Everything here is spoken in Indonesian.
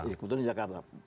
iya kebetulan di jakarta